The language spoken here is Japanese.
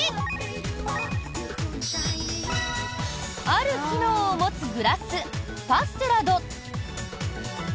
ある機能を持つグラスパッセラド。